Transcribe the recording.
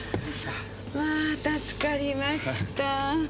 まぁ助かりました。